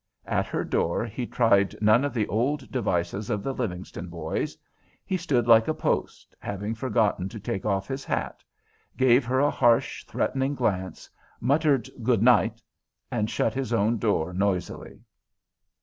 At her door he tried none of the old devices of the Livingston boys. He stood like a post, having forgotten to take off his hat, gave her a harsh, threatening glance, muttered "goodnight," and shut his own door noisily.